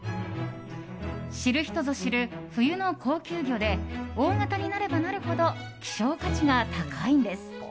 知る人ぞ知る冬の高級魚で大型になればなるほど希少価値が高いんです。